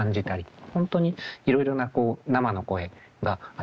本当にいろいろな生の声が集まって。